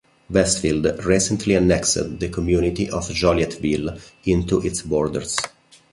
Westfield recently annexed the community of Jolietville into its borders.